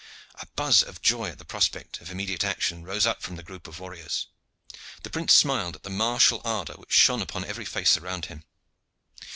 A buzz of joy at the prospect of immediate action rose up from the group of warriors. The prince smiled at the martial ardor which shone upon every face around him.